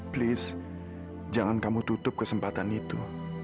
please jangan kamu tutup kesempatan itu